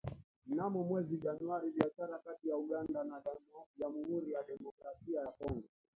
Mnamo mwezi Januari biashara kati ya Uganda na Jamuhuri ya Demokrasia ya Kongo